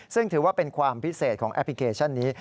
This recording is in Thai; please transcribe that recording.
ซึ่งถือว่าเป็นความพิเศษของแอปพลิเคชันนี้